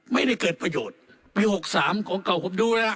ไม่ได้เกิดประโยชน์ปี๖๓ของเก่าผมดูแล้ว